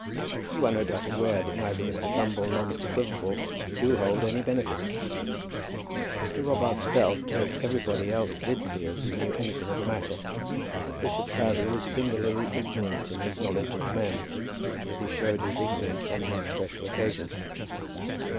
You are no doubt aware that neither Mr. Thumble nor Mr. Quiverful do hold any benefice." Mr. Robarts felt, as everybody else did feel who knew anything of the matter, that Bishop Proudie was singularly ignorant in his knowledge of men, and that he showed his ignorance on this special occasion.